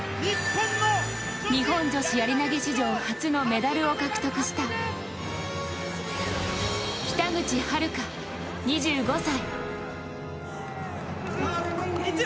日本女子やり投史上初のメダルを獲得した北口榛花、２５歳。